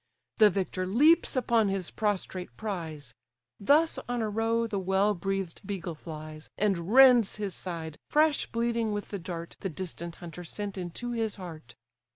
The victor leaps upon his prostrate prize: Thus on a roe the well breath'd beagle flies, And rends his side, fresh bleeding with the dart The distant hunter sent into his heart.